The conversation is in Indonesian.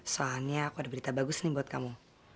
soalnya aku ada berita bagus nih buat kamu